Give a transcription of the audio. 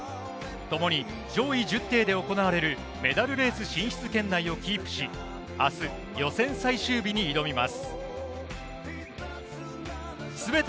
共に上位１０艇で行われるメダルレース進出圏内をキープし、明日、予選最終日に挑みます。